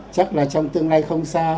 chắc là trong tương lai không sinh